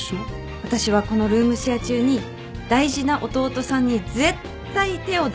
私はこのルームシェア中に大事な弟さんに絶対手を出さないと誓います